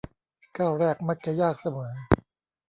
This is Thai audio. ก้าวแรกมักจะยากเสมอ